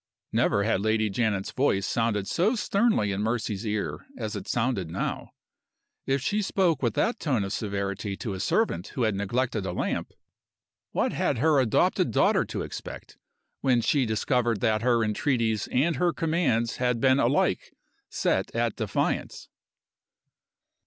(Never had Lady Janet's voice sounded so sternly in Mercy's ear as it sounded now. If she spoke with that tone of severity to a servant who had neglected a lamp, what had her adopted daughter to expect when she discovered that her entreaties and her commands had been alike set at defiance?)